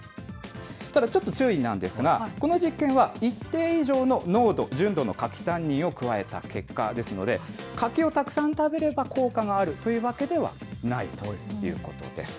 ただちょっと注意なんですが、この実験は、一定以上の濃度、純度の柿タンニンを加えた結果ですので、柿をたくさん食べれば効果があるというわけではないということです。